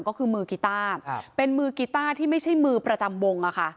ก็คือมือกีต้าเป็นมือกีต้าที่ไม่ใช่มือประจำวงอะค่ะ